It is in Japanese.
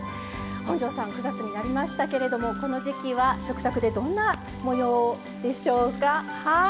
本上さん９月になりましたけれどもこの時季は食卓でどんなもようでしょうか？